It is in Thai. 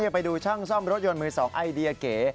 ไปดูช่างซ่อมรถยนต์มือ๒ไอเดียเก๋